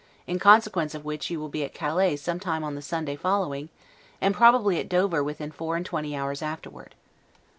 in consequence of which you will be at Calais some time on the Sunday following, and probably at Dover within four and twenty hours afterward.